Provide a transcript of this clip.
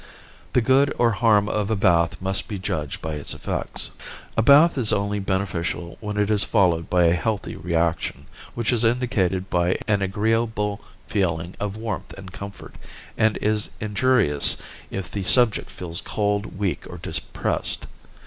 The good or harm of a bath must be judged by its effects. A bath is only beneficial when it is followed by a healthy reaction, which is indicated by an agreeable feeling of warmth and comfort, and is injurious if the subject feels cold, weak or depressed.